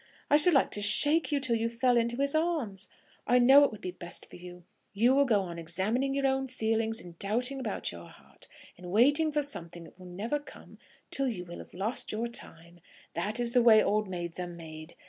I should like to shake you till you fell into his arms. I know it would be best for you. You will go on examining your own feelings and doubting about your heart, and waiting for something that will never come till you will have lost your time. That is the way old maids are made.